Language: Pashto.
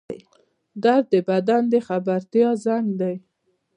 درد د بدن د خبرتیا زنګ دی